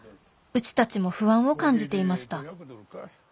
うちたちも不安を感じていました